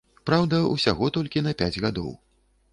Праўда, усяго толькі на пяць гадоў.